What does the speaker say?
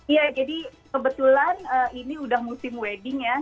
iya jadi kebetulan ini udah musim wedding ya